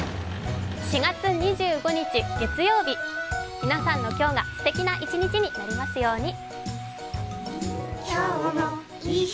４月２５日月曜日、皆さんの今日が、すてきな一日になりますように。